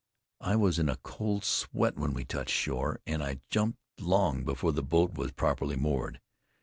I was in a cold sweat when we touched shore, and I jumped long before the boat was properly moored.